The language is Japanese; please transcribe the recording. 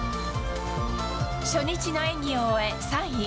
初日の演技を終え、３位。